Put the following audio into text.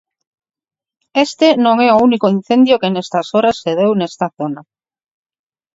Este non é o único incendio que nestas horas se deu nesta zona.